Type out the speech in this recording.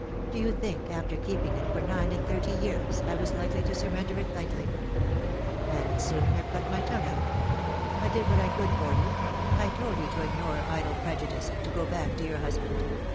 Do you think, after keeping it for nine and thirty years, I was likely to surrender it lightly ? I would sooner have cut my tongue out. I did what I could for you. I told you to ignore idle prejudice and to go back to your husband.